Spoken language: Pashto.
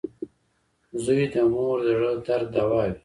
• زوی د مور د زړۀ درد دوا وي.